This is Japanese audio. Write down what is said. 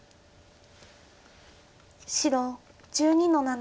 白１２の七。